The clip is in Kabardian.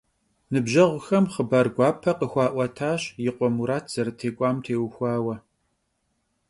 Nıbjeğuxem xhıbar guape khıxua'uetaş yi khue Murat zerıtêk'uam têuxuaue.